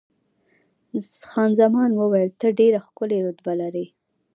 خان زمان وویل، ته ډېره ښکلې رتبه لرې.